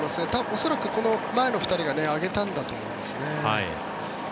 恐らく、この前の２人が上げたんだと思いますね。